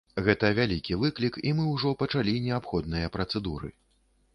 Гэта вялікі выклік, і мы ўжо пачалі неабходныя працэдуры.